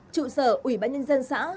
trụ sở ủy bãi nhân dân xã